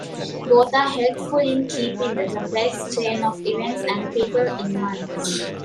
Both are helpful in keeping the complex chain of events and people in mind.